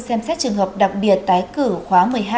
xem xét trường hợp đặc biệt tái cử khóa một mươi hai